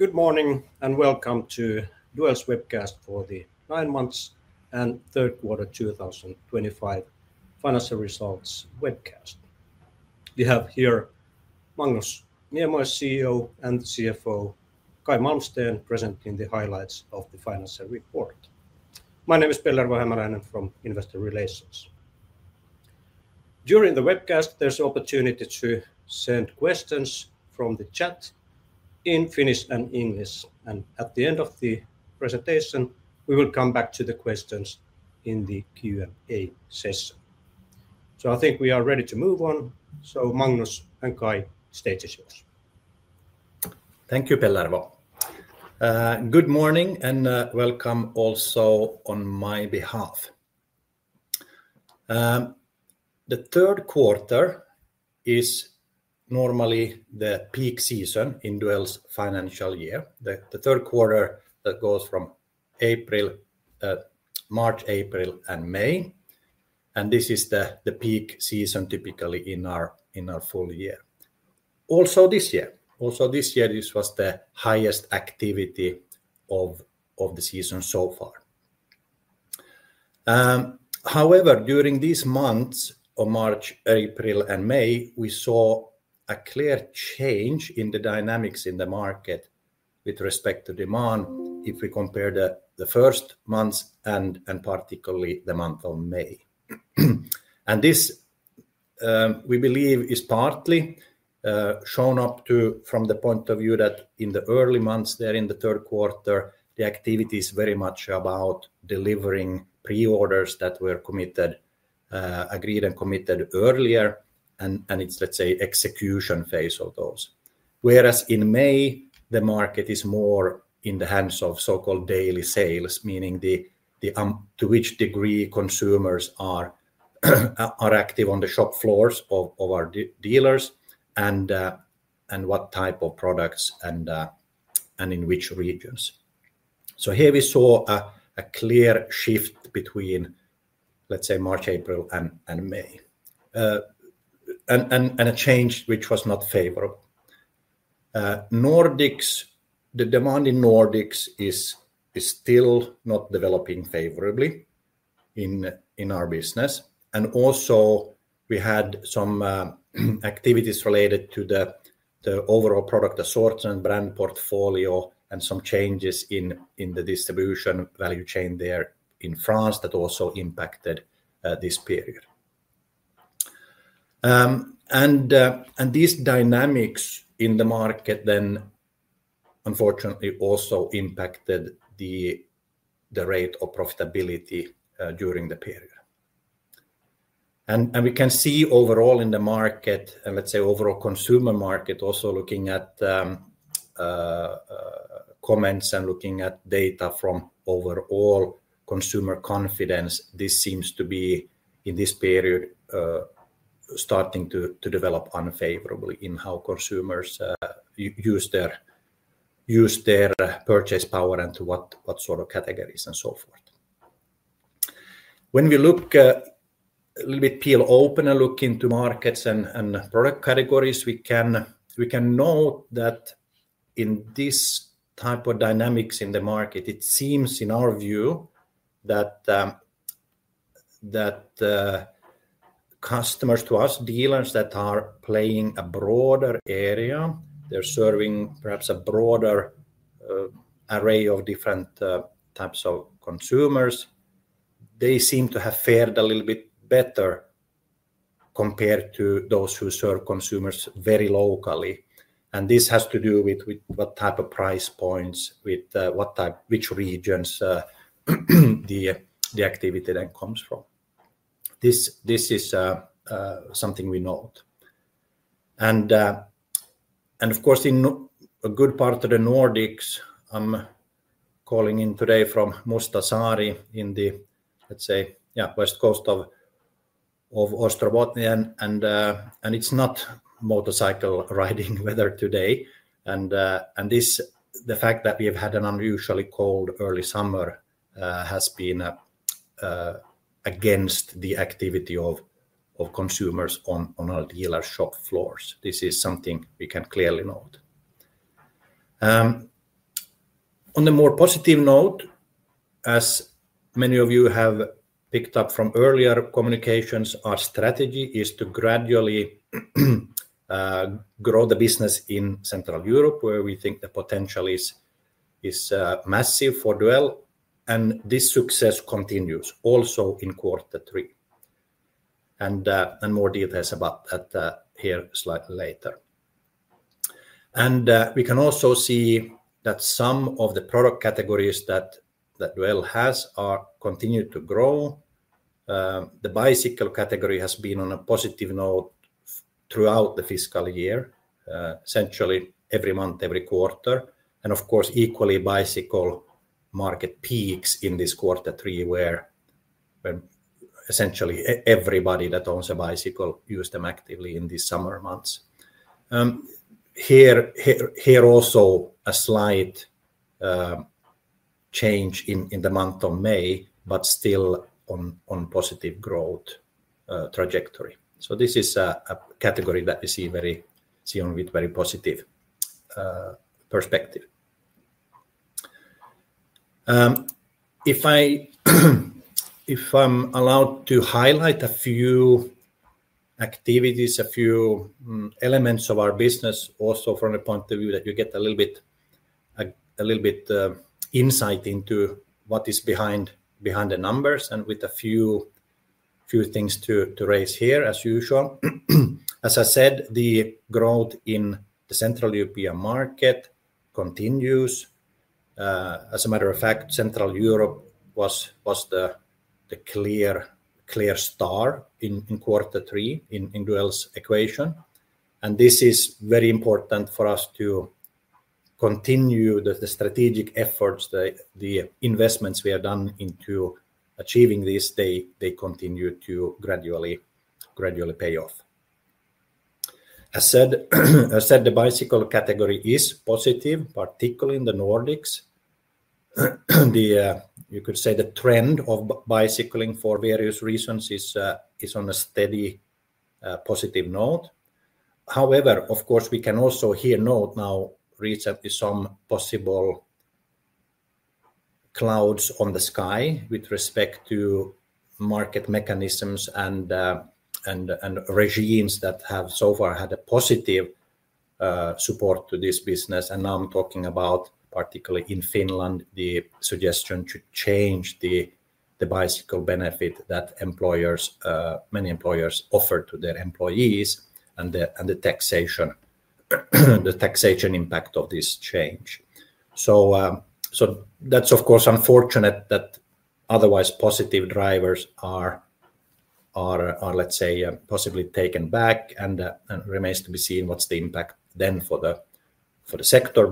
Good morning and welcome to Duell's webcast for the nine months and third quarter 2025 Financial Results webcast. We have here Magnus Miemois, CEO and CFO, Caj Malmsten, presenting the highlights of the financial report. My name is Pellervo Hämäläinen from Investor Relations. During the webcast, there is an opportunity to send questions from the chat in Finnish and English, and at the end of the presentation, we will come back to the questions in the Q&A session. I think we are ready to move on. Magnus and Caj, stage is yours. Thank you, Pellervo. Good morning and welcome also on my behalf. The third quarter is normally the peak season in Duell's financial year. The third quarter that goes from March, April, and May. This is the peak season typically in our full year. Also this year, this was the highest activity of the season so far. However, during these months of March, April, and May, we saw a clear change in the dynamics in the market with respect to demand if we compare the first months and particularly the month of May. This, we believe, is partly shown up from the point of view that in the early months there in the third quarter, the activity is very much about delivering pre-orders that were agreed and committed earlier, and it is, let's say, execution phase of those. Whereas in May, the market is more in the hands of so-called daily sales, meaning to which degree consumers are active on the shop floors of our dealers and what type of products and in which regions. Here we saw a clear shift between, let's say, March, April, and May, and a change which was not favorable. The demand in Nordics is still not developing favorably in our business. We also had some activities related to the overall product assortment, brand portfolio, and some changes in the distribution value chain there in France that also impacted this period. These dynamics in the market then, unfortunately, also impacted the rate of profitability during the period. We can see overall in the market, and let's say overall consumer market, also looking at comments and looking at data from overall consumer confidence, this seems to be in this period starting to develop unfavorably in how consumers use their purchase power and what sort of categories and so forth. When we look a little bit, peel open and look into markets and product categories, we can note that in this type of dynamics in the market, it seems in our view that customers to us, dealers that are playing a broader area, they're serving perhaps a broader array of different types of consumers, they seem to have fared a little bit better compared to those who serve consumers very locally. This has to do with what type of price points, with which regions the activity then comes from. This is something we note. Of course, in a good part of the Nordics, I'm calling in today from Mustasaari in the, let's say, west coast of Ostrobothnia, and it's not motorcycle riding weather today. The fact that we have had an unusually cold early summer has been against the activity of consumers on our dealer shop floors. This is something we can clearly note. On a more positive note, as many of you have picked up from earlier communications, our strategy is to gradually grow the business in Central Europe, where we think the potential is massive for Duell, and this success continues also in quarter three. More details about that here slightly later. We can also see that some of the product categories that Duell has continue to grow. The bicycle category has been on a positive note throughout the fiscal year, essentially every month, every quarter. Of course, equally, bicycle market peaks in this quarter three, where essentially everybody that owns a bicycle used them actively in these summer months. Here also a slight change in the month of May, but still on positive growth trajectory. This is a category that we see with very positive perspective. If I'm allowed to highlight a few activities, a few elements of our business, also from the point of view that you get a little bit insight into what is behind the numbers, and with a few things to raise here, as usual. As I said, the growth in the Central European market continues. As a matter of fact, Central Europe was the clear star in quarter three in Duell's equation. This is very important for us to continue the strategic efforts, the investments we have done into achieving this, they continue to gradually pay off. As said, the bicycle category is positive, particularly in the Nordics. You could say the trend of bicycling for various reasons is on a steady positive note. However, of course, we can also here note now recently some possible clouds on the sky with respect to market mechanisms and regimes that have so far had a positive support to this business. Now I'm talking about, particularly in Finland, the suggestion to change the bicycle benefit that many employers offer to their employees and the taxation impact of this change. That's, of course, unfortunate that otherwise positive drivers are, let's say, possibly taken back, and it remains to be seen what's the impact then for the sector.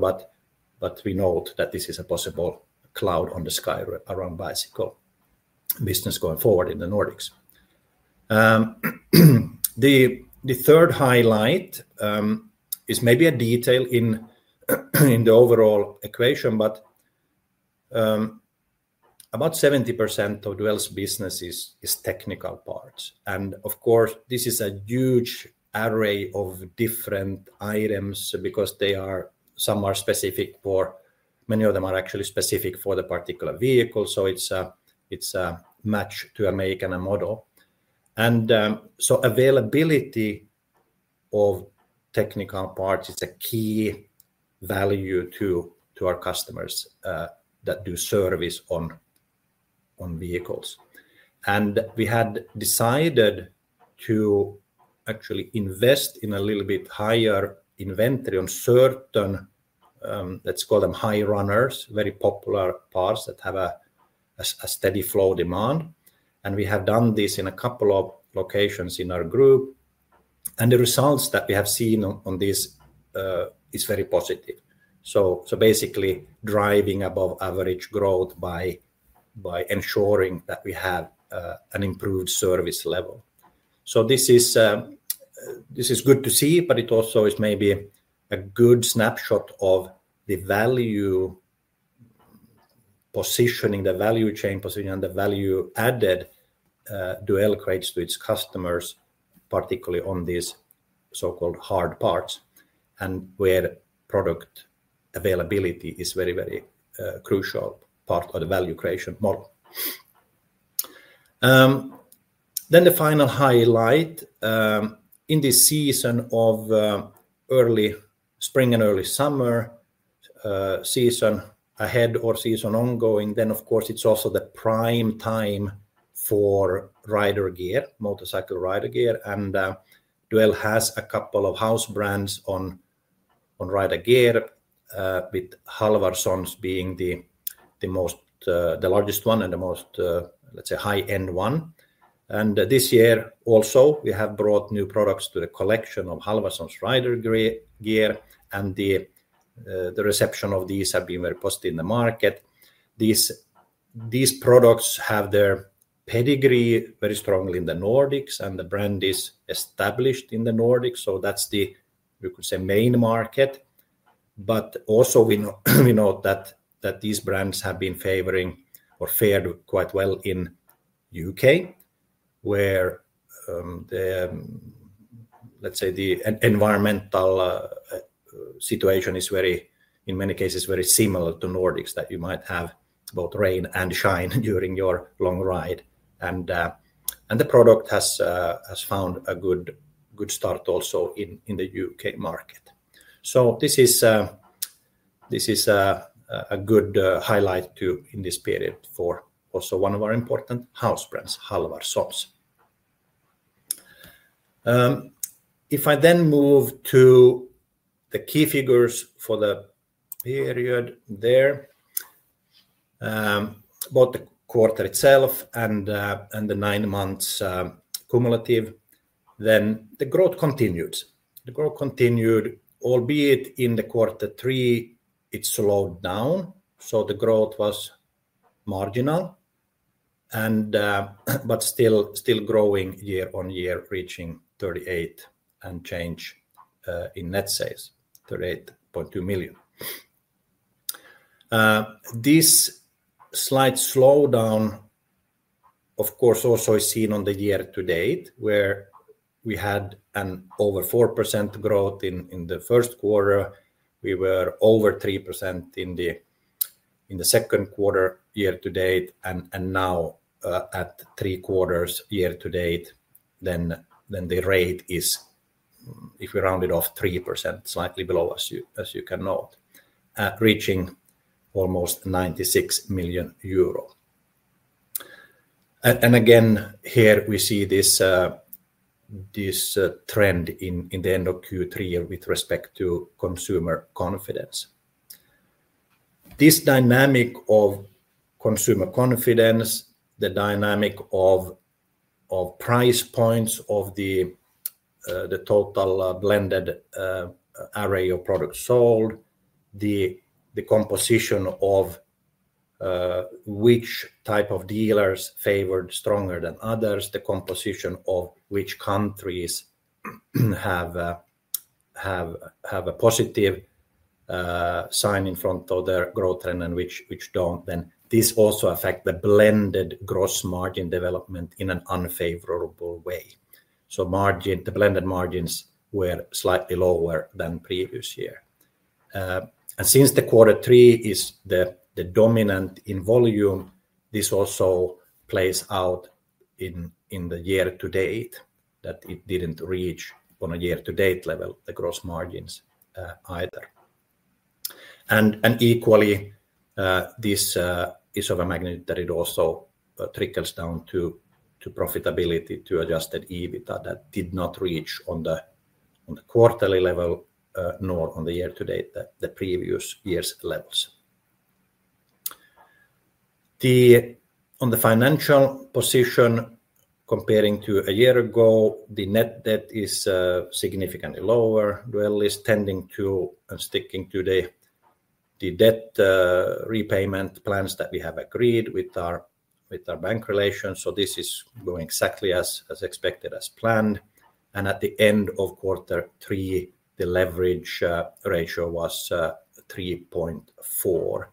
We note that this is a possible cloud on the sky around bicycle business going forward in the Nordics. The third highlight is maybe a detail in the overall equation, but about 70% of Duell's business is technical parts. Of course, this is a huge array of different items because they are somewhat specific, for many of them are actually specific for the particular vehicle. It is a match to a make and a model. Availability of technical parts is a key value to our customers that do service on vehicles. We had decided to actually invest in a little bit higher inventory on certain, let's call them high runners, very popular parts that have a steady flow demand. We have done this in a couple of locations in our group. The results that we have seen on this is very positive, basically driving above average growth by ensuring that we have an improved service level. This is good to see, but it also is maybe a good snapshot of the value positioning, the value chain positioning, and the value added Duell creates to its customers, particularly on these so-called hard parts, and where product availability is a very, very crucial part of the value creation model. The final highlight in this season of early spring and early summer season ahead or season ongoing, of course, is also the prime time for rider gear, motorcycle rider gear. Duell has a couple of house brands on rider gear, with Halvarssons being the largest one and the most, let's say, high-end one. This year also we have brought new products to the collection of Halvarssons rider gear, and the reception of these have been very positive in the market. These products have their pedigree very strongly in the Nordics, and the brand is established in the Nordics. That is the, we could say, main market. We also note that these brands have been favoring or fared quite well in the U.K., where, let's say, the environmental situation is very, in many cases, very similar to Nordics, that you might have both rain and shine during your long ride. The product has found a good start also in the U.K. market. This is a good highlight in this period for also one of our important house brands, Halvarssons. If I then move to the key figures for the period there, both the quarter itself and the nine months cumulative, the growth continued. The growth continued, albeit in the quarter three, it slowed down. The growth was marginal, but still growing year on year, reaching 38 and change in net sales, 38.2 million. This slight slowdown, of course, also is seen on the year-to-date, where we had an over 4% growth in the first quarter. We were over 3% in the second quarter year-to-date, and now at three quarters year-to-date, then the rate is, if we round it off, 3%, slightly below, as you can note, reaching almost EUR 96 million. Again, here we see this trend in the end of Q3 with respect to consumer confidence. This dynamic of consumer confidence, the dynamic of price points of the total blended array of products sold, the composition of which type of dealers favored stronger than others, the composition of which countries have a positive sign in front of their growth trend and which do not, this also affects the blended gross margin development in an unfavorable way. The blended margins were slightly lower than previous year. Since the quarter three is the dominant in volume, this also plays out in the year-to-date that it did not reach on a year-to-date level, the gross margins either. Equally, this is of a magnitude that it also trickles down to profitability to adjusted EBITDA that did not reach on the quarterly level nor on the year-to-date, the previous year's levels. On the financial position, comparing to a year ago, the net debt is significantly lower. Duell is tending to and sticking to the debt repayment plans that we have agreed with our bank relations. This is going exactly as expected, as planned. At the end of quarter three, the leverage ratio was 3.4,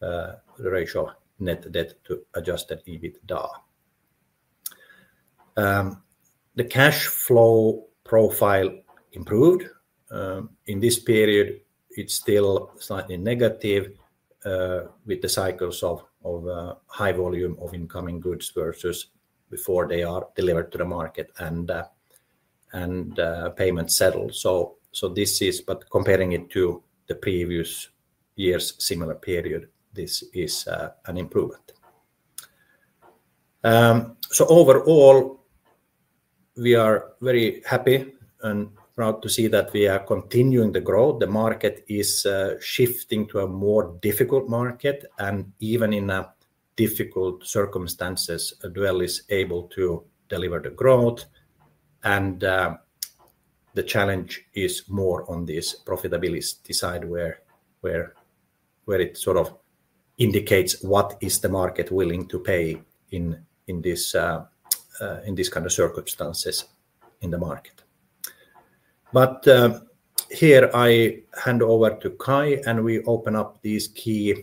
the ratio of net debt-to-adjusted EBITDA. The cash flow profile improved. In this period, it is still slightly negative with the cycles of high volume of incoming goods versus before they are delivered to the market and payment settles. Comparing it to the previous year's similar period, this is an improvement. Overall, we are very happy and proud to see that we are continuing the growth. The market is shifting to a more difficult market, and even in difficult circumstances, Duell is able to deliver the growth. The challenge is more on this profitability side, where it sort of indicates what is the market willing to pay in this kind of circumstances in the market. Here I hand over to Caj, and we open up these key,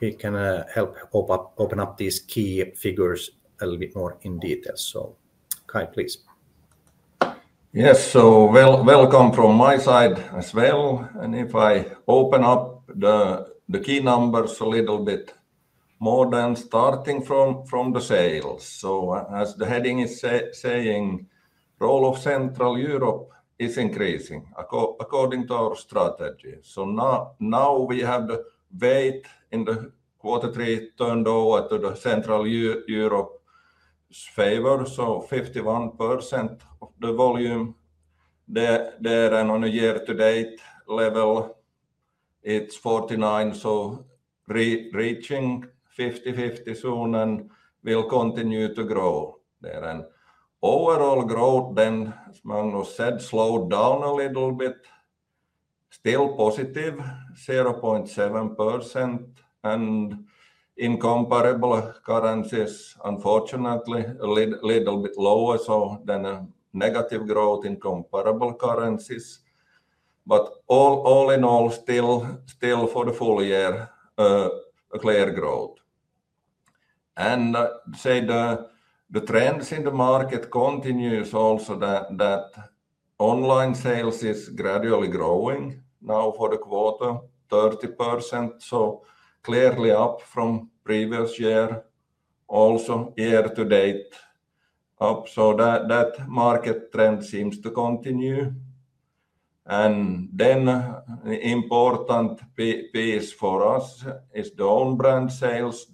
we can help open up these key figures a little bit more in detail. Caj, please. Yes, welcome from my side as well. If I open up the key numbers a little bit more, then starting from the sales. As the heading is saying, role of Central Europe is increasing according to our strategy. Now we have the weight in the quarter three turned over to Central Europe's favor, so 51% of the volume. There on a year-to-date level, it is 49, so reaching 50-50 zone and will continue to grow. Overall growth, as Magnus said, slowed down a little bit. Still positive, 0.7%. In comparable currencies, unfortunately, a little bit lower, so a negative growth in comparable currencies. All in all, still for the full year, a clear growth. I'd say the trends in the market continue also that online sales is gradually growing now for the quarter, 30%, so clearly up from previous year, also year-to-date up. That market trend seems to continue. An important piece for us is the own-brand sales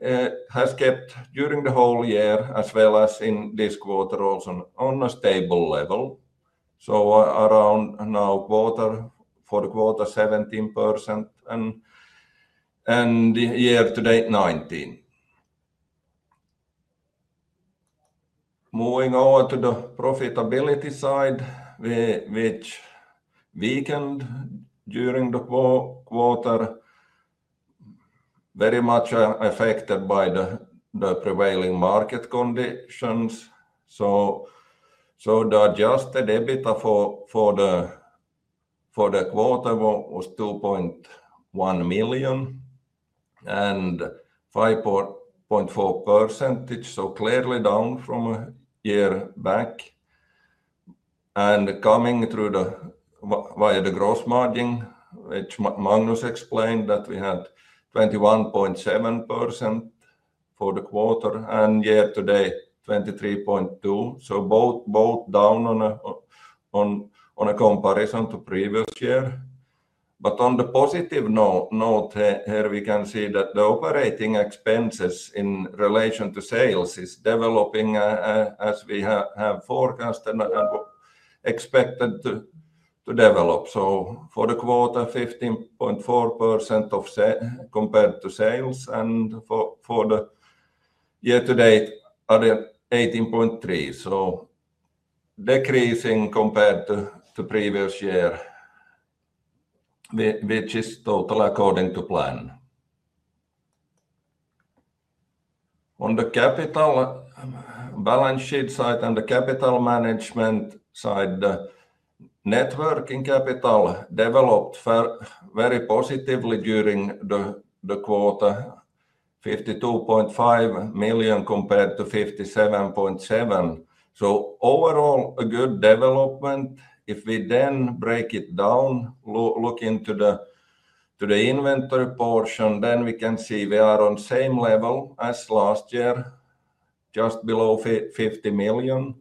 that has kept during the whole year as well as in this quarter also on a stable level. Around now for the quarter, 17%, and year-to-date, 19. Moving over to the profitability side, which weakened during the quarter, very much affected by the prevailing market conditions. The adjusted EBITDA for the quarter was 2.1 million and 5.4%, clearly down from a year back. Coming through via the gross margin, which Magnus explained, we had 21.7% for the quarter and year-to-date, 23.2%. Both are down on a comparison to the previous year. On a positive note here, we can see that the operating expenses in relation to sales are developing as we have forecasted and expected to develop. For the quarter, 15.4% compared to sales, and for the year-to-date, 18.3%. Decreasing compared to the previous year, which is totally according to plan. On the capital balance sheet side and the capital management side, the working capital developed very positively during the quarter, 52.5 million compared to 57.7 million. Overall, a good development. If we then break it down, look into the inventory portion, then we can see we are on the same level as last year, just below 50 million.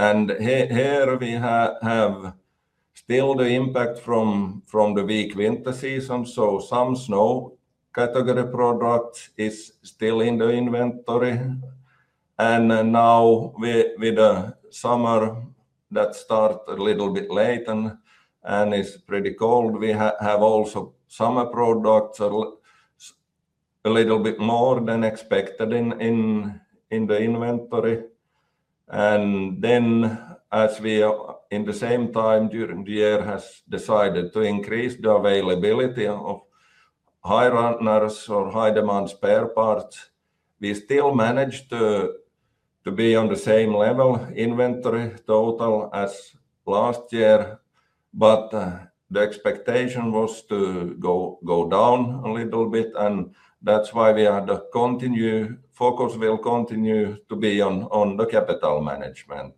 Here we have still the impact from the weak winter season. Some snow category products are still in the inventory. Now with the summer that started a little bit late and is pretty cold, we have also summer products a little bit more than expected in the inventory. As we at the same time during the year have decided to increase the availability of high runners or high demand spare parts, we still managed to be on the same level inventory total as last year. The expectation was to go down a little bit, and that is why we have a continued focus and will continue to be on the capital management.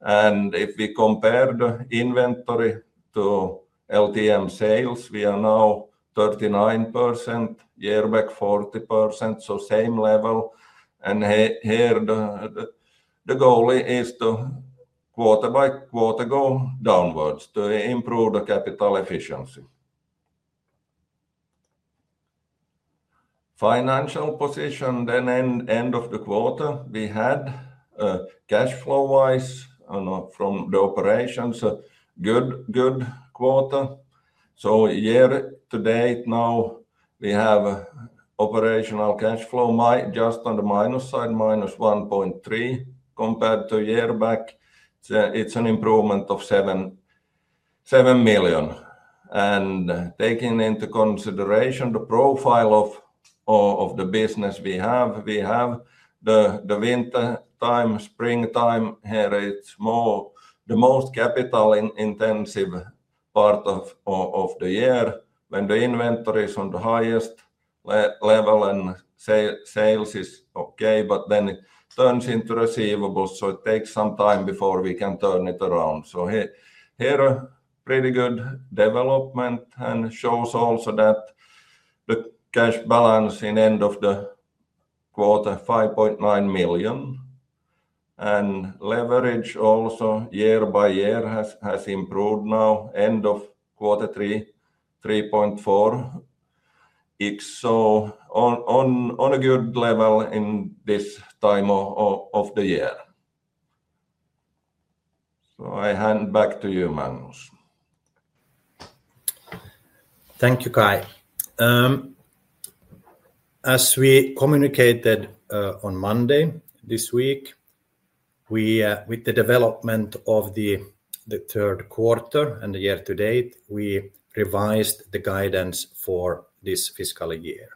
If we compare the inventory to LTM sales, we are now 39%, year back 40%, so same level. The goal is to quarter by quarter go downwards to improve the capital efficiency. Financial position then end of the quarter, we had cash flow wise from the operations, good quarter. Year-to-date now we have operational cash flow just on the minus side, -1.3 million compared to year back. It is an improvement of 7 million. Taking into consideration the profile of the business we have, we have the winter time, spring time here, it is more the most capital intensive part of the year when the inventory is on the highest level and sales is okay, but then it turns into receivables, so it takes some time before we can turn it around. Here a pretty good development and shows also that the cash balance in end of the quarter, 5.9 million. Leverage also year by year has improved now, end of quarter three, 3.4. On a good level in this time of the year. I hand back to you, Magnus. Thank you, Caj. As we communicated on Monday this week, with the development of the third quarter and the year-to-date, we revised the guidance for this fiscal year.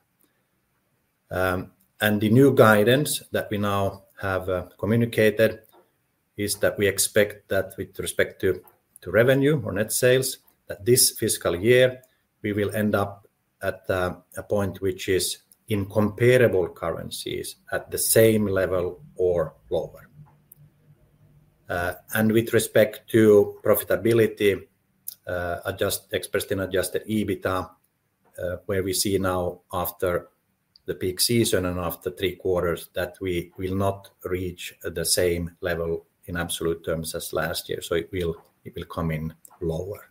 The new guidance that we now have communicated is that we expect that with respect to revenue or net sales, this fiscal year we will end up at a point which is in comparable currencies at the same level or lower. With respect to profitability, just expressed in adjusted EBITDA, we see now after the peak season and after three quarters that we will not reach the same level in absolute terms as last year, so it will come in lower.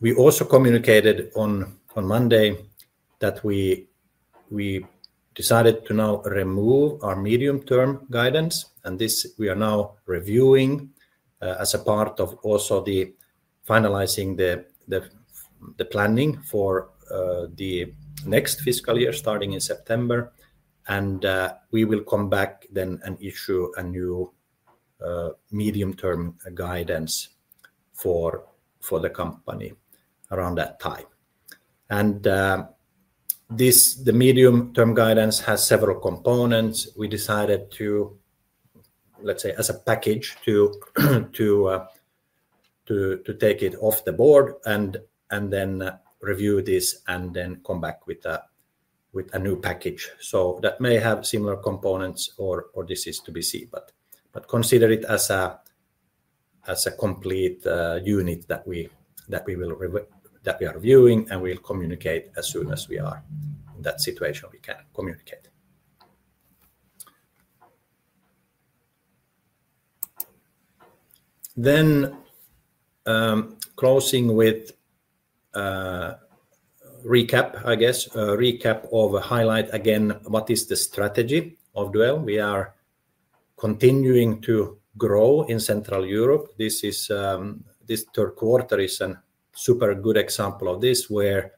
We also communicated on Monday that we decided to now remove our medium term guidance, and this we are now reviewing as a part of also finalizing the planning for the next fiscal year starting in September. We will come back then and issue a new medium term guidance for the company around that time. The medium term guidance has several components. We decided to, let's say, as a package to take it off the board and then review this and then come back with a new package. That may have similar components or this is to be seen, but consider it as a complete unit that we are reviewing and we will communicate as soon as we are in that situation, we can communicate. Closing with recap, I guess, recap of a highlight again, what is the strategy of Duell? We are continuing to grow in Central Europe. This third quarter is a super good example of this where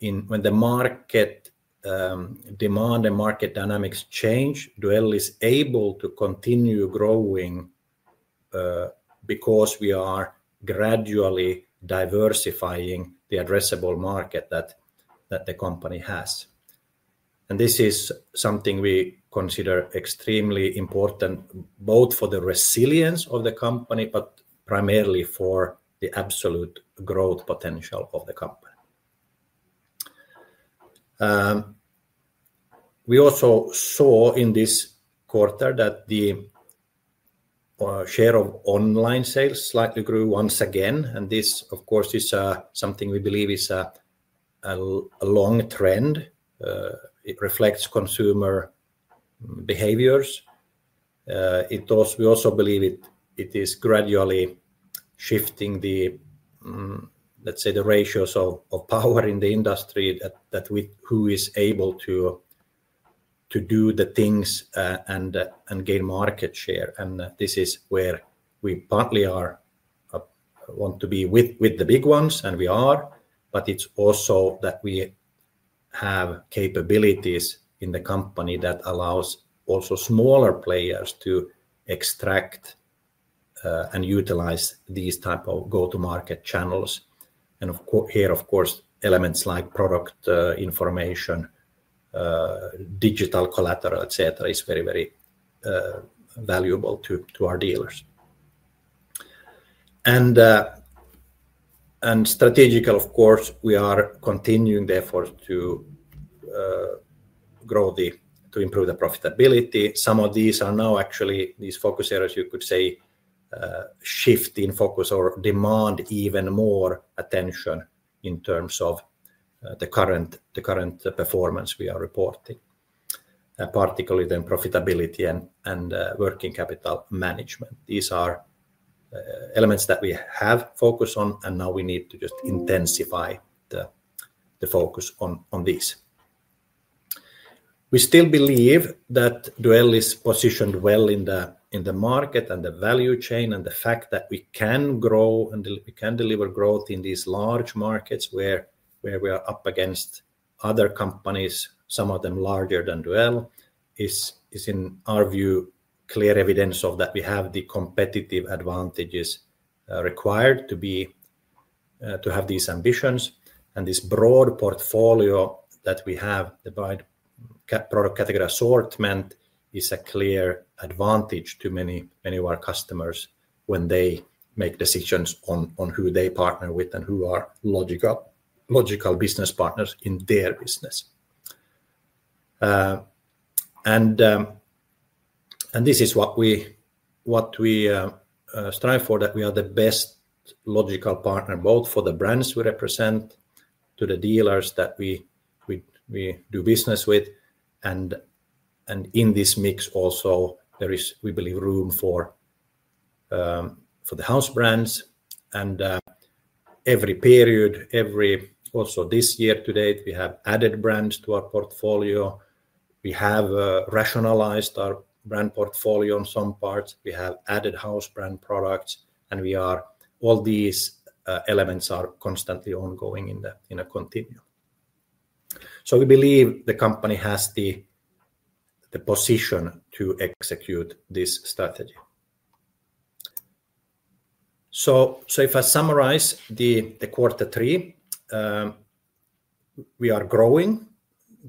when the market demand and market dynamics change, Duell is able to continue growing because we are gradually diversifying the addressable market that the company has. This is something we consider extremely important both for the resilience of the company, but primarily for the absolute growth potential of the company. We also saw in this quarter that the share of online sales slightly grew once again, and this, of course, is something we believe is a long trend. It reflects consumer behaviors. We also believe it is gradually shifting the, let's say, the ratios of power in the industry that who is able to do the things and gain market share. This is where we partly want to be with the big ones, and we are, but it's also that we have capabilities in the company that allows also smaller players to extract and utilize these type of go-to-market channels. Here, of course, elements like product information, digital collateral, etc., is very, very valuable to our dealers. Strategically, of course, we are continuing therefore to improve the profitability. Some of these are now actually these focus areas, you could say, shift in focus or demand even more attention in terms of the current performance we are reporting, particularly then profitability and working capital management. These are elements that we have focused on, and now we need to just intensify the focus on these. We still believe that Duell is positioned well in the market and the value chain and the fact that we can grow and we can deliver growth in these large markets where we are up against other companies, some of them larger than Duell, is in our view clear evidence of that we have the competitive advantages required to have these ambitions. This broad portfolio that we have, the broad product category assortment, is a clear advantage to many of our customers when they make decisions on who they partner with and who are logical business partners in their business. This is what we strive for, that we are the best logical partner, both for the brands we represent to the dealers that we do business with. In this mix also, there is, we believe, room for the house brands. Every period, also this year-to-date, we have added brands to our portfolio. We have rationalized our brand portfolio in some parts. We have added house brand products, and all these elements are constantly ongoing in a continuum. We believe the company has the position to execute this strategy. If I summarize the quarter three, we are growing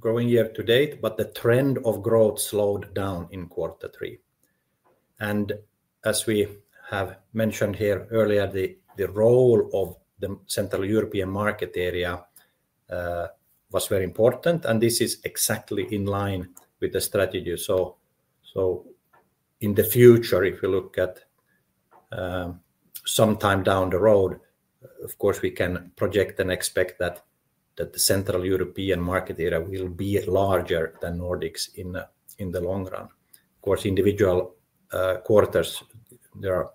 year-to-date, but the trend of growth slowed down in quarter three. As we have mentioned here earlier, the role of the Central European market area was very important, and this is exactly in line with the strategy. In the future, if we look at some time down the road, of course, we can project and expect that the Central European market area will be larger than Nordics in the long run. Of course, individual quarters, there are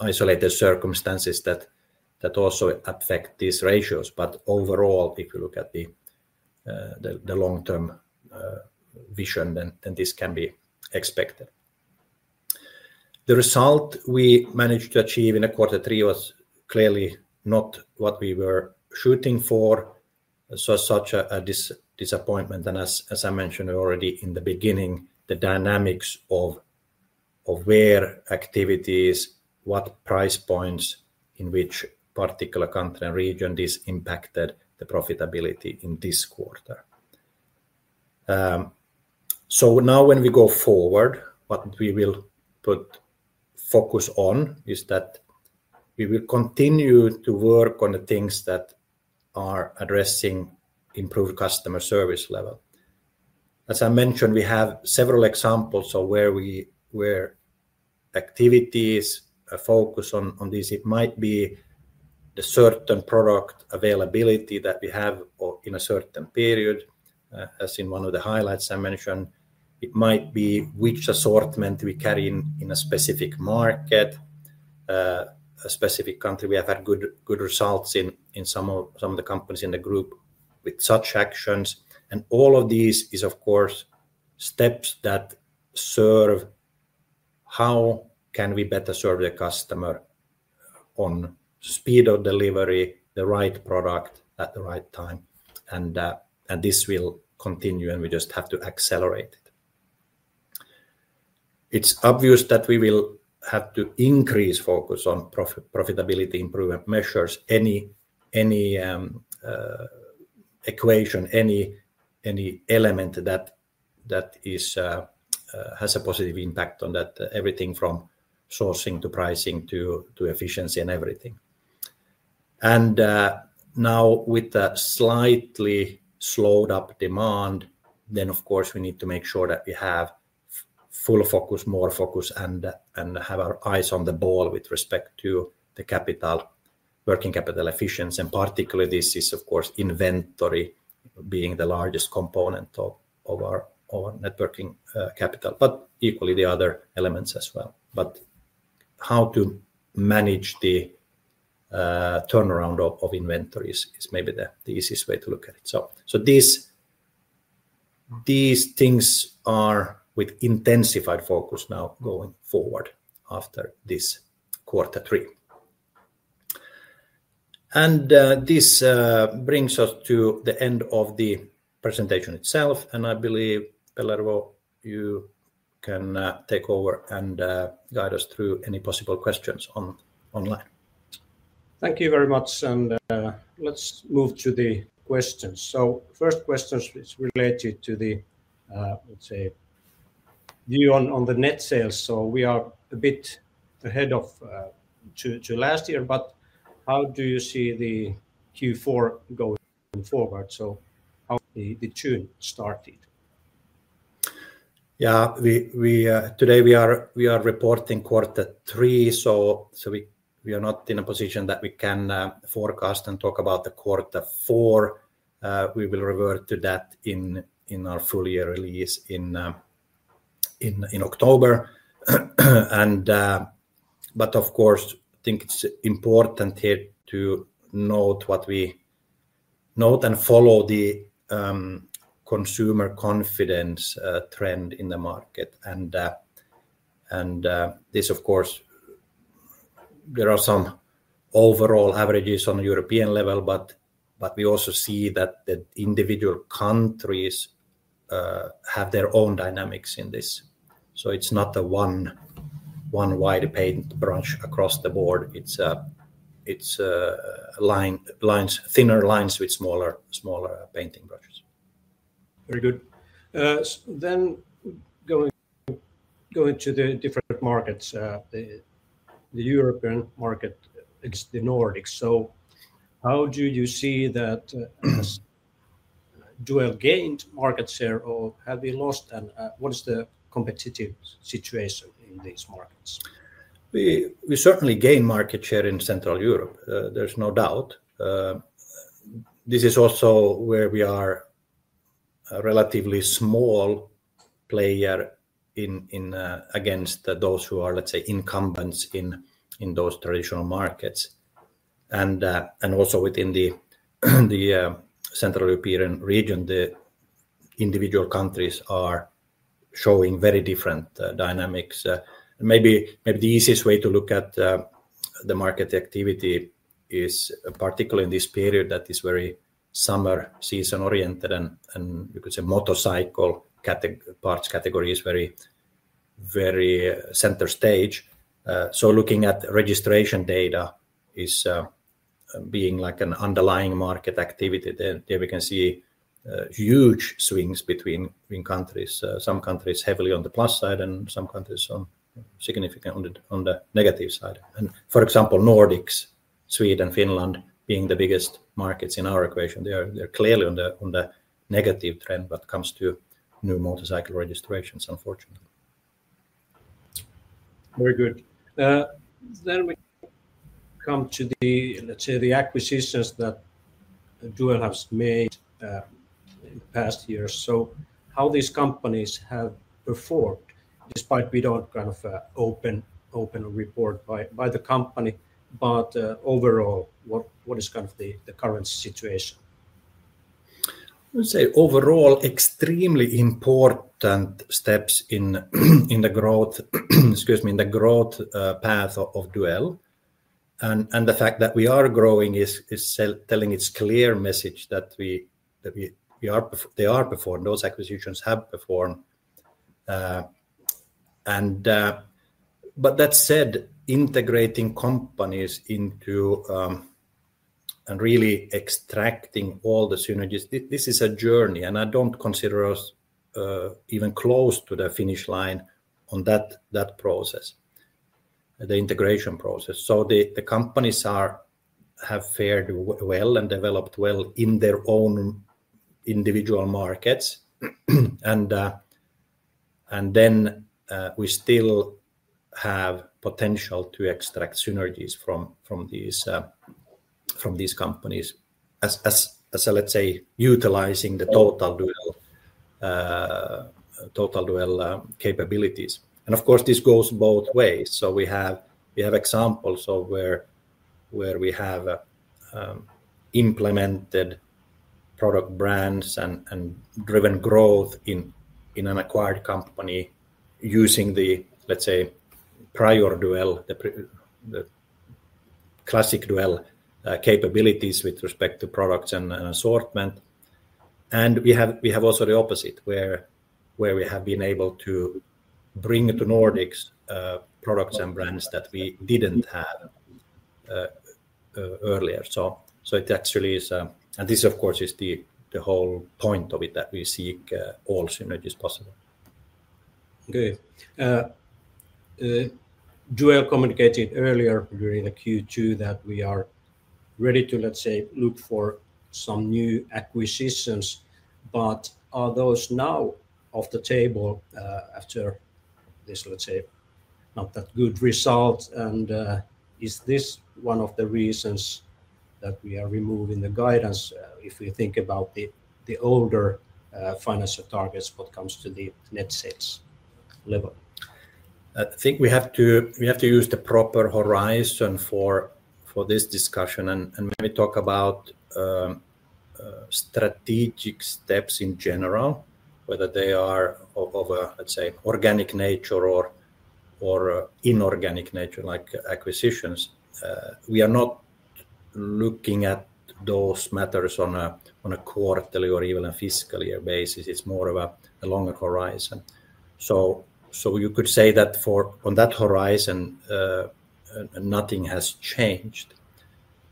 isolated circumstances that also affect these ratios, but overall, if you look at the long-term vision, then this can be expected. The result we managed to achieve in the quarter three was clearly not what we were shooting for, such a disappointment. As I mentioned already in the beginning, the dynamics of where activities, what price points in which particular country and region, this impacted the profitability in this quarter. Now when we go forward, what we will put focus on is that we will continue to work on the things that are addressing improved customer service level. As I mentioned, we have several examples of where activities focus on this. It might be the certain product availability that we have in a certain period, as in one of the highlights I mentioned. It might be which assortment we carry in a specific market, a specific country we have had good results in, some of the companies in the group with such actions. All of these is, of course, steps that serve how can we better serve the customer on speed of delivery, the right product at the right time. This will continue, and we just have to accelerate it. It is obvious that we will have to increase focus on profitability improvement measures, any equation, any element that has a positive impact on that, everything from sourcing to pricing to efficiency and everything. Now with the slightly slowed up demand, of course we need to make sure that we have full focus, more focus, and have our eyes on the ball with respect to the capital, working capital efficiency. Particularly this is, of course, inventory being the largest component of our working capital, but equally the other elements as well. How to manage the turnaround of inventory is maybe the easiest way to look at it. These things are with intensified focus now going forward after this quarter three. This brings us to the end of the presentation itself. I believe, Pellervo, you can take over and guide us through any possible questions online. Thank you very much. Let's move to the questions. First question is related to the, let's say, view on the net sales. We are a bit ahead of last year, but how do you see the Q4 going forward? How has the tune started? Yeah, today we are reporting quarter three, so we are not in a position that we can forecast and talk about the quarter four. We will revert to that in our full year release in October. Of course, I think it is important here to note what we note and follow the consumer confidence trend in the market. This, of course, there are some overall averages on the European level, but we also see that the individual countries have their own dynamics in this. It is not a one wide paint brush across the board. It is thinner lines with smaller painting brushes. Very good. Going to the different markets, the European market, the Nordics. How do you see that Duell gained market share or have we lost? What is the competitive situation in these markets? We certainly gained market share in Central Europe. There is no doubt. This is also where we are a relatively small player against those who are, let's say, incumbents in those traditional markets. Also within the Central European region, the individual countries are showing very different dynamics. Maybe the easiest way to look at the market activity is particularly in this period that is very summer season oriented and you could say motorcycle parts category is very center stage. Looking at registration data is being like an underlying market activity. There we can see huge swings between countries. Some countries heavily on the plus side and some countries significantly on the negative side. For example, Nordics, Sweden, Finland being the biggest markets in our equation, they're clearly on the negative trend when it comes to new motorcycle registrations, unfortunately. Very good. We come to the, let's say, the acquisitions that Duell has made in past years. How these companies have performed despite we don't kind of open a report by the company, but overall, what is kind of the current situation? I would say overall, extremely important steps in the growth, excuse me, in the growth path of Duell. The fact that we are growing is telling its clear message that they are performing. Those acquisitions have performed. That said, integrating companies into and really extracting all the synergies, this is a journey, and I do not consider us even close to the finish line on that process, the integration process. The companies have fared well and developed well in their own individual markets. We still have potential to extract synergies from these companies as, let's say, utilizing the total Duell capabilities. Of course, this goes both ways. We have examples of where we have implemented product brands and driven growth in an acquired company using the, let's say, prior Duell, the classic Duell capabilities with respect to products and assortment. We have also the opposite where we have been able to bring to Nordics products and brands that we did not have earlier. It actually is, and this, of course, is the whole point of it that we seek all synergies possible. Duell communicated earlier during the Q2 that we are ready to, let's say, look for some new acquisitions, but are those now off the table after this, let's say, not that good result? Is this one of the reasons that we are removing the guidance if we think about the older financial targets when it comes to the net sales level? I think we have to use the proper horizon for this discussion and maybe talk about strategic steps in general, whether they are of a, let's say, organic nature or inorganic nature, like acquisitions. We are not looking at those matters on a quarterly or even a fiscal year basis. It is more of a longer horizon. You could say that on that horizon, nothing has changed.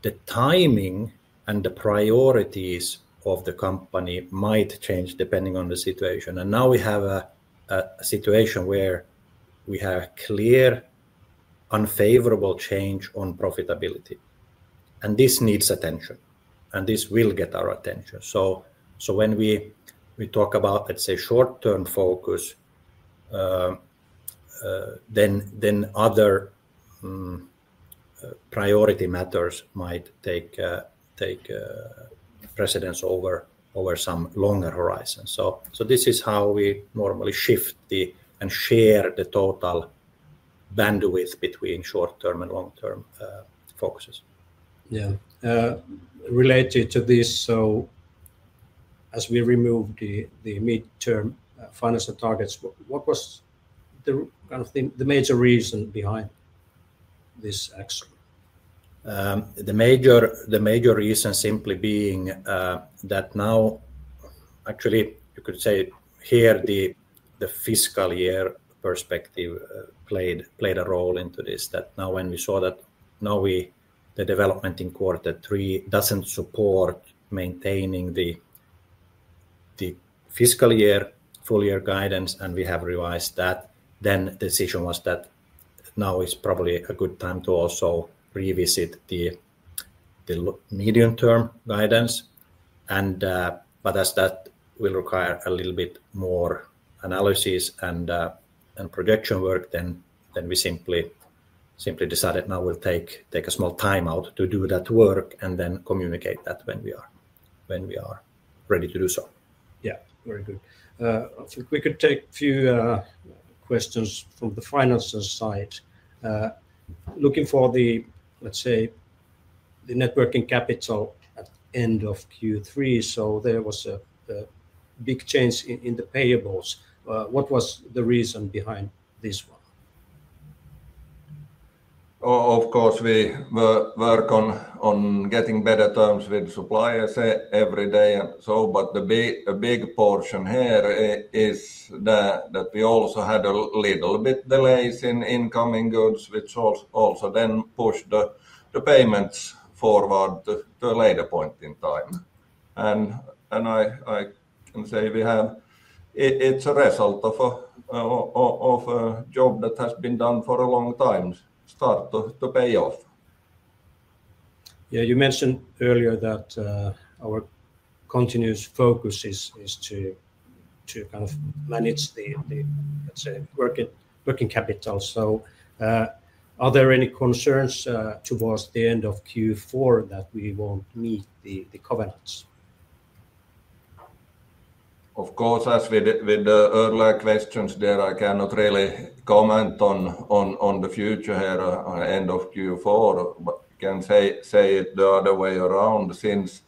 The timing and the priorities of the company might change depending on the situation. Now we have a situation where we have a clear unfavorable change on profitability. This needs attention. This will get our attention. When we talk about, let's say, short-term focus, other priority matters might take precedence over some longer horizon. This is how we normally shift and share the total bandwidth between short-term and long-term focuses. Yeah. Related to this, as we remove the mid-term financial targets, what was the major reason behind this action? The major reason simply being that now, actually, you could say here the fiscal year perspective played a role into this. That now when we saw that the development in quarter three doesn't support maintaining the fiscal year full year guidance, and we have revised that, the decision was that now is probably a good time to also revisit the medium-term guidance. As that will require a little bit more analysis and projection work, we simply decided now we'll take a small timeout to do that work and then communicate that when we are ready to do so. Yeah. Very good. If we could take a few questions from the financial side. Looking for the, let's say, the working capital at the end of Q3, there was a big change in the payables. What was the reason behind this one? Of course, we work on getting better terms with suppliers every day and so, but the big portion here is that we also had a little bit of delays in incoming goods, which also then pushed the payments forward to a later point in time. I can say we have, it's a result of a job that has been done for a long time, start to pay off. Yeah. You mentioned earlier that our continuous focus is to kind of manage the, let's say, working capital. Are there any concerns towards the end of Q4 that we won't meet the covenants? Of course, as with the earlier questions there, I cannot really comment on the future here at the end of Q4, but I can say it the other way around. Since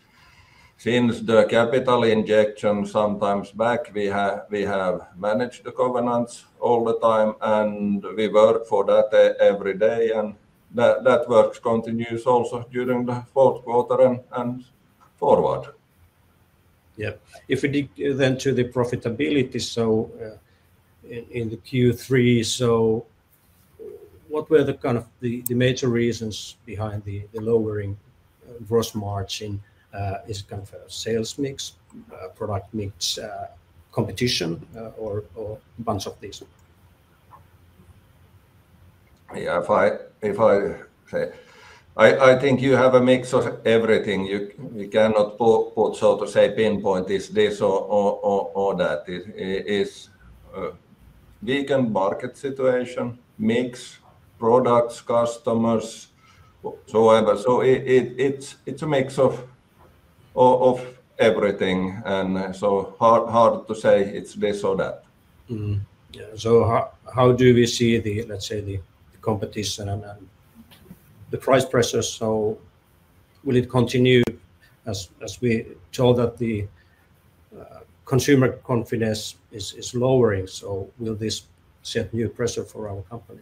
the capital injection some time back, we have managed the covenants all the time, and we work for that every day. That work continues also during the fourth quarter and forward. Yeah. If we dig then to the profitability, in Q3, what were the kind of the major reasons behind the lowering gross margin? Is it kind of a sales mix, product mix, competition, or a bunch of these? Yeah, if I say, I think you have a mix of everything. We cannot, so to say, pinpoint this or that. It is a weakened market situation, mixed products, customers, so on. It is a mix of everything, and so hard to say it is this or that. Yeah. How do we see the, let's say, the competition and the price pressures? Will it continue as we told that the consumer confidence is lowering? Will this set new pressure for our company?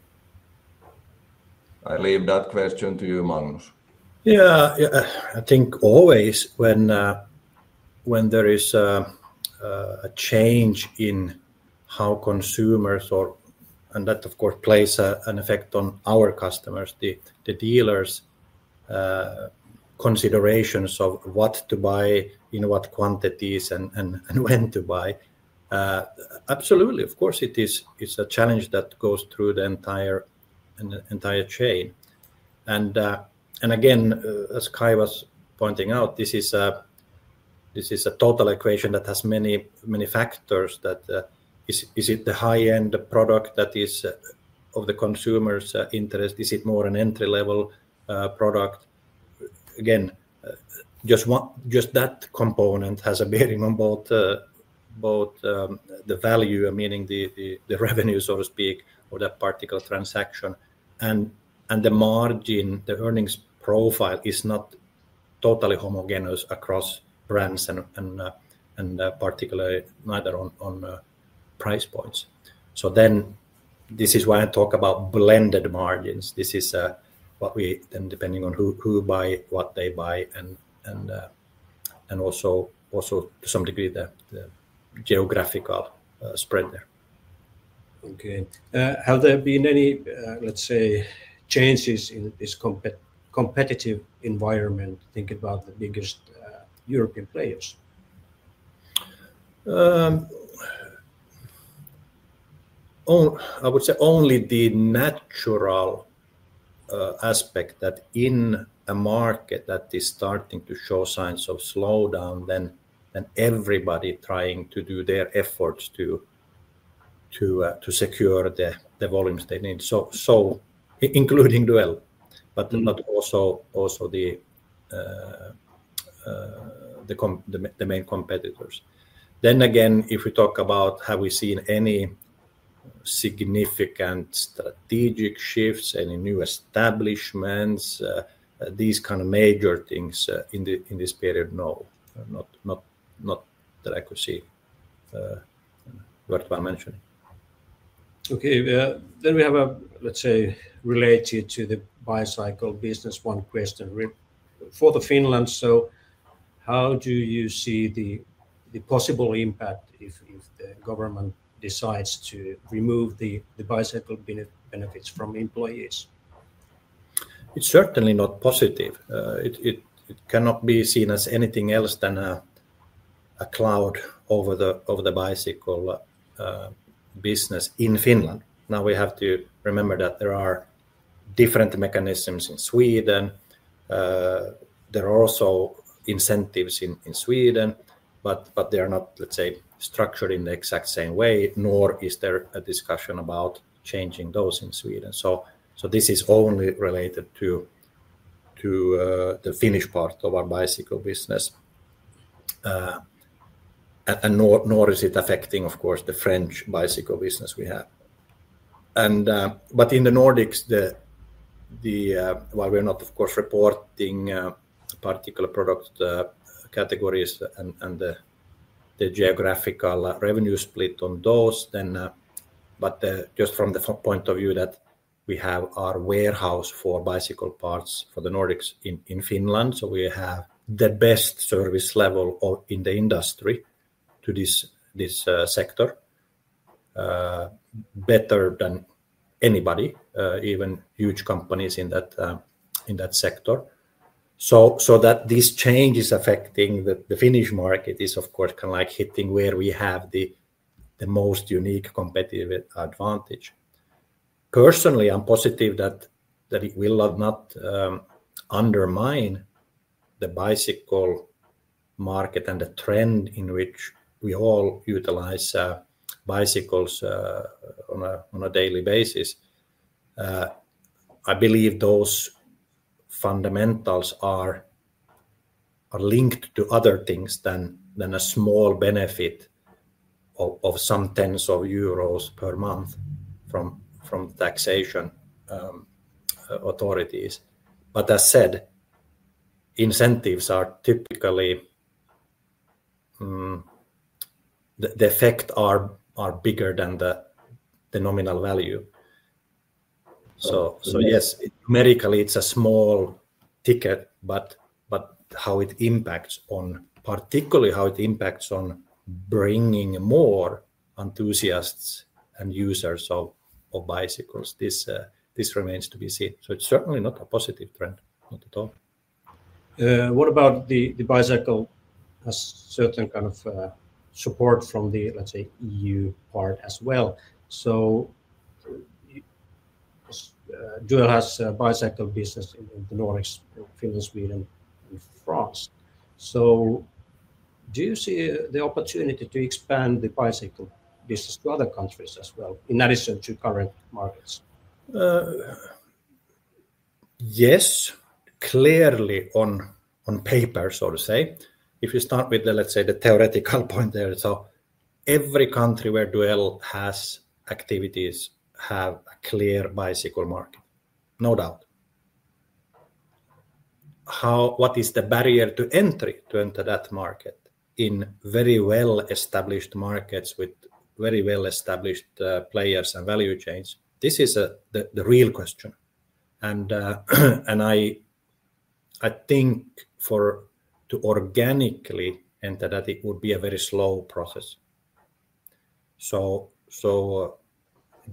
I leave that question to you, Magnus. Yeah. I think always when there is a change in how consumers are, and that, of course, plays an effect on our customers, the dealers' considerations of what to buy in what quantities and when to buy. Absolutely. Of course, it is a challenge that goes through the entire chain. Again, as Caj was pointing out, this is a total equation that has many factors. Is it the high-end product that is of the consumer's interest? Is it more an entry-level product? Again, just that component has a bearing on both the value, meaning the revenue, so to speak, of that particular transaction. The margin, the earnings profile is not totally homogeneous across brands and particularly neither on price points. This is why I talk about blended margins. This is what we then, depending on who buys what they buy and also to some degree the geographical spread there. Okay. Have there been any, let's say, changes in this competitive environment thinking about the biggest European players? I would say only the natural aspect that in a market that is starting to show signs of slowdown, then everybody trying to do their efforts to secure the volumes they need, including Duell, but not also the main competitors. Then again, if we talk about have we seen any significant strategic shifts, any new establishments, these kind of major things in this period? No, not that I could see worthwhile mentioning. Okay. Then we have a, let's say, related to the bicycle business, one question. For Finland, so how do you see the possible impact if the government decides to remove the bicycle benefits from employees? It's certainly not positive. It cannot be seen as anything else than a cloud over the bicycle business in Finland. Now we have to remember that there are different mechanisms in Sweden. There are also incentives in Sweden, but they are not, let's say, structured in the exact same way, nor is there a discussion about changing those in Sweden. This is only related to the Finnish part of our bicycle business, nor is it affecting, of course, the French bicycle business we have. In the Nordics, while we're not, of course, reporting particular product categories and the geographical revenue split on those, just from the point of view that we have our warehouse for bicycle parts for the Nordics in Finland, we have the best service level in the industry to this sector, better than anybody, even huge companies in that sector. That this change is affecting the Finnish market is, of course, kind of like hitting where we have the most unique competitive advantage. Personally, I'm positive that it will not undermine the bicycle market and the trend in which we all utilize bicycles on a daily basis. I believe those fundamentals are linked to other things than a small benefit of some tens of euros per month from taxation authorities. As said, incentives are typically the effect are bigger than the nominal value. Yes, numerically, it's a small ticket, but how it impacts on, particularly how it impacts on bringing more enthusiasts and users of bicycles, this remains to be seen. It is certainly not a positive trend, not at all. What about the bicycle has certain kind of support from the, let's say, EU part as well? Duell has a bicycle business in the Nordics, Finland, Sweden, and France. Do you see the opportunity to expand the bicycle business to other countries as well in addition to current markets? Yes, clearly on paper, so to say. If you start with the, let's say, the theoretical point there, every country where Duell has activities has a clear bicycle market, no doubt. What is the barrier to entry to enter that market in very well-established markets with very well-established players and value chains? This is the real question. I think to organically enter that, it would be a very slow process.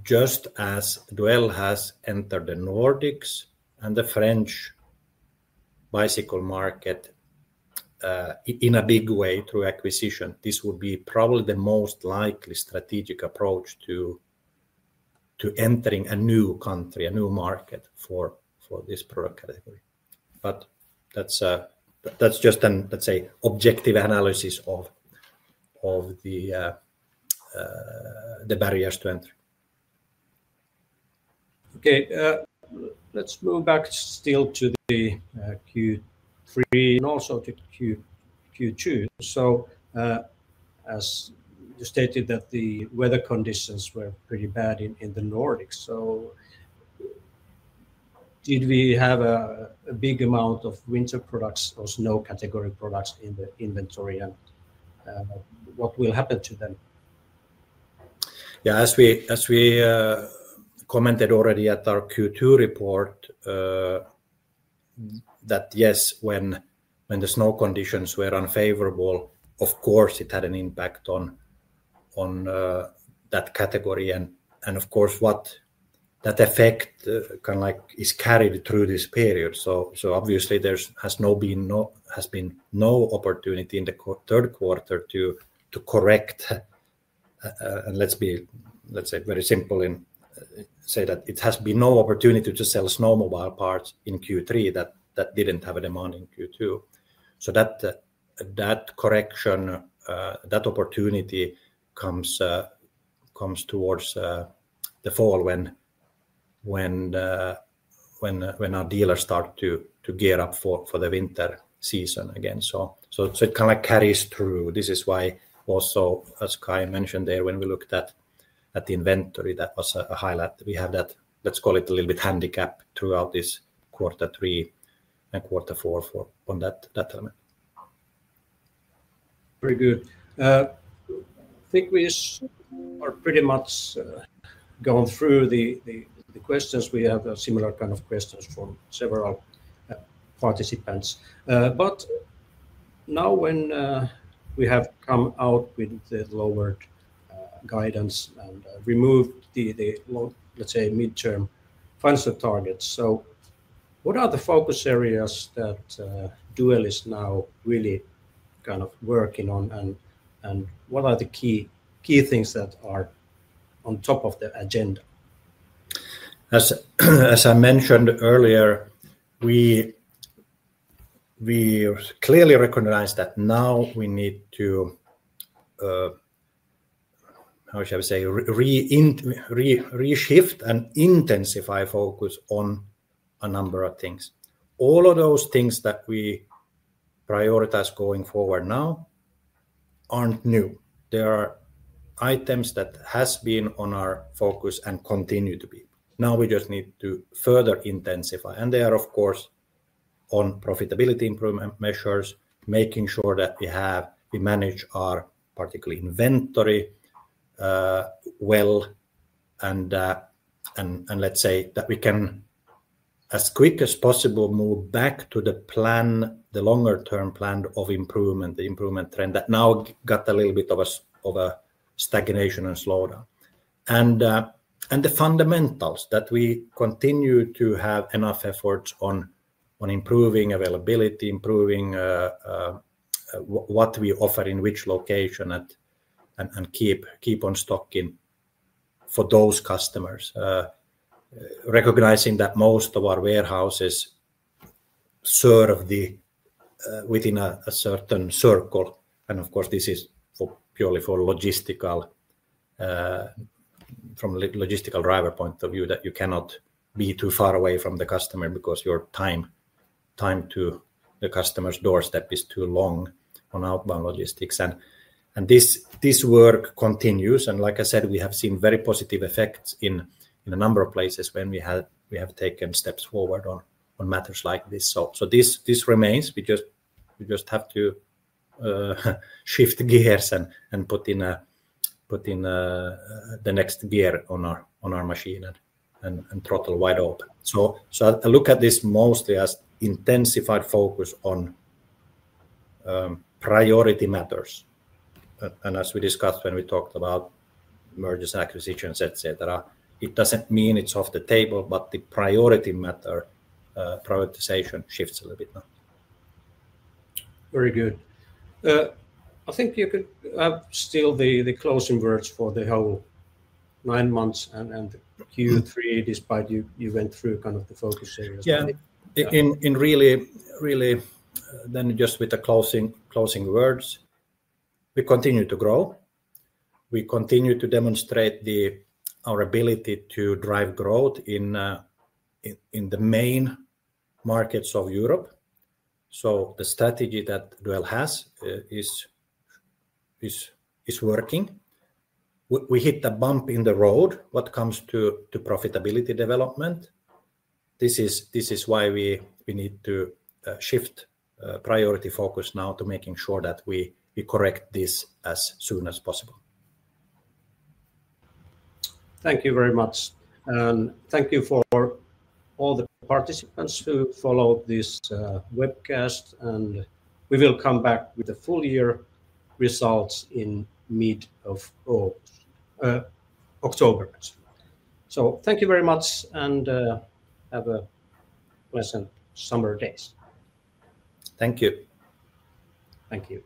Just as Duell has entered the Nordics and the French bicycle market in a big way through acquisition, this would be probably the most likely strategic approach to entering a new country, a new market for this product category. That is just an, let's say, objective analysis of the barriers to entry. Okay. Let's move back still to the Q3. And also to Q2. As you stated that the weather conditions were pretty bad in the Nordics, did we have a big amount of winter products or snow category products in the inventory? What will happen to them? Yeah. As we commented already at our Q2 report, yes, when the snow conditions were unfavorable, of course, it had an impact on that category. Of course, that effect kind of like is carried through this period. Obviously, there has been no opportunity in the third quarter to correct, and let's say very simply, there has been no opportunity to sell snowmobile parts in Q3 that did not have a demand in Q2. That correction, that opportunity comes towards the fall when our dealers start to gear up for the winter season again. It kind of carries through. This is why also, as Caj mentioned there, when we looked at the inventory, that was a highlight. We had that, let's call it a little bit handicap throughout this quarter three and quarter four on that element. Very good. I think we are pretty much gone through the questions. We have similar kind of questions from several participants. Now when we have come out with the lowered guidance and removed the, let's say, midterm financial targets, what are the focus areas that Duell is now really kind of working on, and what are the key things that are on top of the agenda? As I mentioned earlier, we clearly recognize that now we need to, how shall I say, reshift and intensify focus on a number of things. All of those things that we prioritize going forward now are not new. There are items that have been on our focus and continue to be. Now we just need to further intensify. They are, of course, on profitability improvement measures, making sure that we manage our particular inventory well. Let's say that we can, as quick as possible, move back to the longer-term plan of improvement, the improvement trend that now got a little bit of a stagnation and slowdown. The fundamentals that we continue to have enough efforts on are improving availability, improving what we offer in which location, and keep on stocking for those customers, recognizing that most of our warehouses serve within a certain circle. Of course, this is purely from a logistical driver point of view that you cannot be too far away from the customer because your time to the customer's doorstep is too long on outbound logistics. This work continues. Like I said, we have seen very positive effects in a number of places when we have taken steps forward on matters like this. This remains. We just have to shift gears and put in the next gear on our machine and throttle wide open. I look at this mostly as intensified focus on priority matters. As we discussed when we talked about mergers, acquisitions, etc., it does not mean it is off the table, but the priority matter prioritization shifts a little bit now. Very good. I think you could have still the closing words for the whole nine months and Q3, despite you went through kind of the focus areas. Yeah. Really, then just with the closing words, we continue to grow. We continue to demonstrate our ability to drive growth in the main markets of Europe. The strategy that Duell has is working. We hit a bump in the road what comes to profitability development. This is why we need to shift priority focus now to making sure that we correct this as soon as possible. Thank you very much. Thank you for all the participants who followed this webcast. We will come back with the full year results in mid-October. Thank you very much and have a pleasant summer days. Thank you. Thank you.